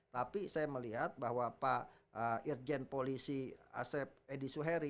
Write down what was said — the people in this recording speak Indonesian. tapi saya melihat bahwa pak irjen polisi asep edi suheri